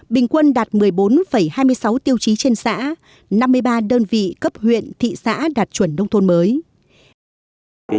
bình quân đạt một mươi bốn hai mươi sáu tiêu chí trên xã năm mươi ba đơn vị cấp huyện thị xã đạt chuẩn nông thôn mới